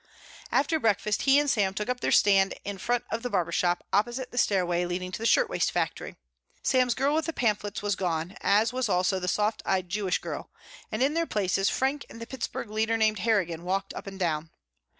After breakfast he and Sam took up their stand in front of the barber shop opposite the stairway leading to the shirtwaist factory. Sam's girl with the pamphlets was gone as was also the soft eyed Jewish girl, and in their places Frank and the Pittsburgh leader named Harrigan walked up and down.